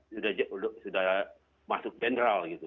sudah masuk general gitu